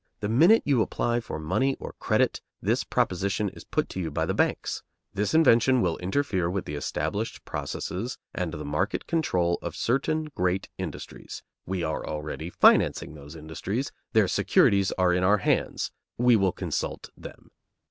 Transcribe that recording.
The minute you apply for money or credit, this proposition is put to you by the banks: "This invention will interfere with the established processes and the market control of certain great industries. We are already financing those industries, their securities are in our hands; we will consult them."